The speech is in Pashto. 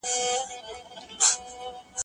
هغه څوک چي پلان جوړوي منظم وي!.